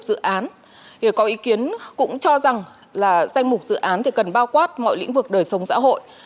dự án có ý kiến cũng cho rằng là danh mục dự án thì cần bao quát mọi lĩnh vực đời sống xã hội